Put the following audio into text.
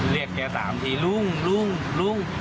เรียกแก๓ทีลุงลุงลุง